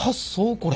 これ。